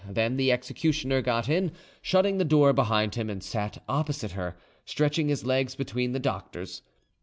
Then the executioner got in, shutting the door behind him, and sat opposite her, stretching his legs between the doctor's.